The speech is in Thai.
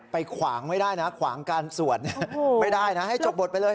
ขวางไม่ได้นะขวางการสวดไม่ได้นะให้จบบทไปเลย